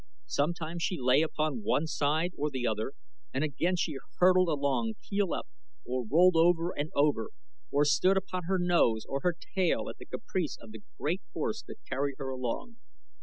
Sometimes she lay upon one side or the other, or again she hurtled along keel up, or rolled over and over, or stood upon her nose or her tail at the caprice of the great force that carried her along.